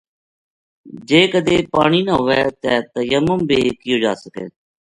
جے کدے پانی نہ ہووے تے تیمم بھی کیو جاسکے۔